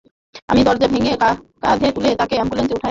আমি দরজা ভেঙ্গে কাধে তুলে, তাকে অ্যাম্বুলেন্সে উঠাই।